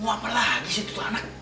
mau apa lagi sih itu anak